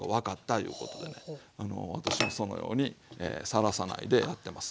私もそのようにさらさないでやってます。